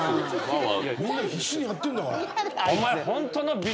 みんな必死にやってるんだから。